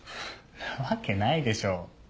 なわけないでしょう。